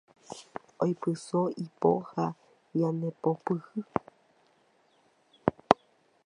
Oipyso ipo ha ñandepopyhy